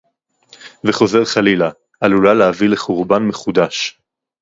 וחוזר חלילה, עלולה להביא לחורבן מחודש